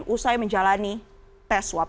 usai menjalani tes swab